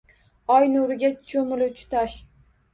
Oy nuriga cho’miluvchi tosh.